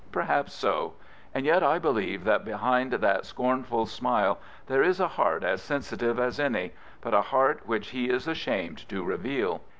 Perhaps so. And yet I believe that behind that scornful smile there is a heart as sensitive as any; but a heart which he is ashamed to reveal.